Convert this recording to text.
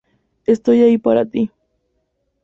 Estoy ahí para ti".